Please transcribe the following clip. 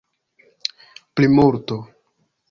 plimulto